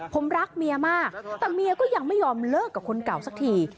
ผมรักเมียมากแต่เมียก็ยังไม่ยอมเลิกกับคนเก่าสักที